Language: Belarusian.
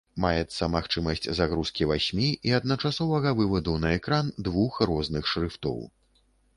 Маецца магчымасць загрузкі васьмі і адначасовага вываду на экран двух розных шрыфтоў.